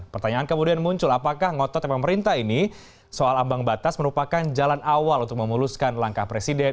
pertanyaan kemudian muncul apakah ngototnya pemerintah ini soal ambang batas merupakan jalan awal untuk memuluskan langkah presiden